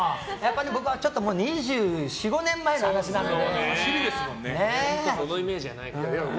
僕は２４２５年前の話なので。